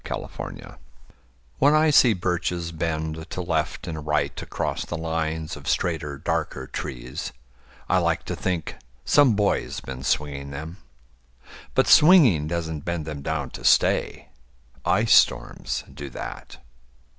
BIRCHES When I see birches bend to left and right Across the lines of straighter darker trees, I like to think some boy's been swinging them. But swinging doesn't bend them down to stay. Ice storms do that.